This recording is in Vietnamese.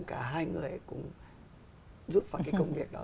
cái công việc đó